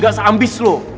gak seambis lu